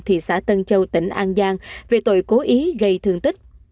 thị xã tân châu tỉnh an giang về tội cố ý gây thương tích